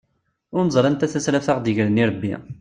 Ur neẓri anta tasraft ara aɣ-d-igren irebbi.